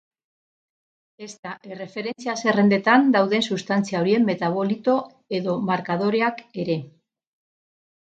Ezta erreferentzia zerrendetan dauden sustantzia horien metabolito edo markadoreak ere.